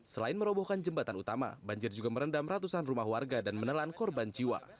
selain merobohkan jembatan utama banjir juga merendam ratusan rumah warga dan menelan korban jiwa